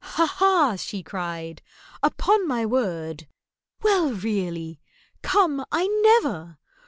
"Ha! ha!" she cried. "Upon my word! Well, really—come, I never!